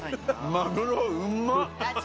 マグロうま！